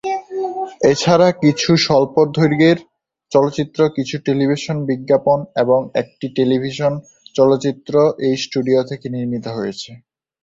এছাড়া কিছু স্বল্পদৈর্ঘ্যের চলচ্চিত্র, কিছু টেলিভিশন বিজ্ঞাপন এবং একটি টেলিভিশন চলচ্চিত্র এই স্টুডিও থেকে নির্মিত হয়েছে।